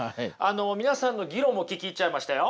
皆さんの議論も聞き入っちゃいましたよ。